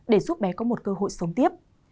để giúp bé có một cơ hội sống tiếp